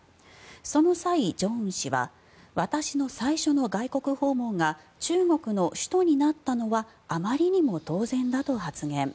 その際、正恩氏は私の最初の外国訪問が中国の首都になったのはあまりにも当然だと発言。